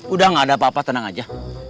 udah gak ada apa apa tenang aja